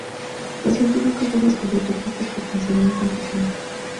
Los científicos han descubierto pistas potencialmente importantes.